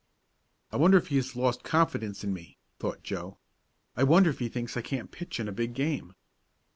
"I wonder if he has lost confidence in me?" thought Joe. "I wonder if he thinks I can't pitch in a big game?"